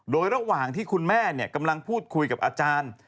โดยระหว่างที่คุณแม่กำลังพูดคุยกับอาจารย์